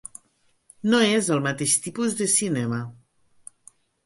No és el mateix tipus de cinema.